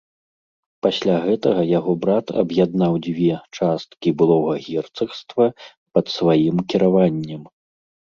Пасля гэтага яго брат аб'яднаў дзве часткі былога герцагства пад сваім кіраваннем.